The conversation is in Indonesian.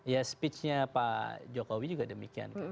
ya speech nya pak jokowi juga demikian